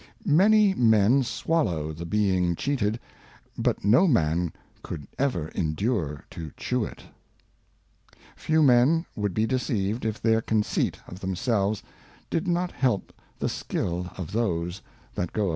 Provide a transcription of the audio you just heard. MANY Men swallow the being cheated, but no Man could Cheata. ever endure to chew it. Few Men would be deceived, if their Conceit of themselves did not help the Skill of those that go about it.